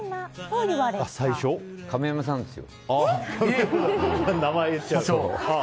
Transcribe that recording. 亀山さんですよ。